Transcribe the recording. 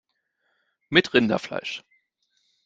Mit Rinderfleisch